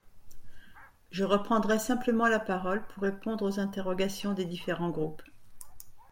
Je reprendrai simplement la parole pour répondre aux interrogations des différents groupes.